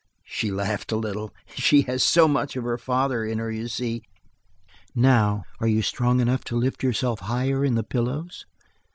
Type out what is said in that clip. She laughed a little. "She has so much of her father in her, you see. Now, are you strong enough to lift yourself higher in the pillows?"